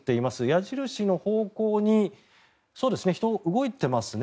矢印の方向に人、動いていますね。